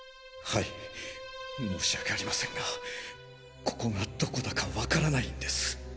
はい申し訳ありませんがここがどこだかわからないんです。